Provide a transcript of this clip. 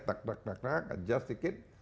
tak tak tak tak ajust sedikit